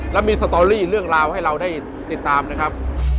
แล้วมีสตอรี่เรื่องราวให้เราได้ติดตามนะครับ